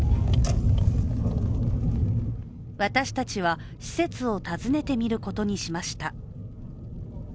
私たちは、施設を訪ねてみることにしました。